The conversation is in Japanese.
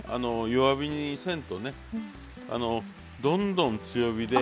弱火にせんとねどんどん強火で。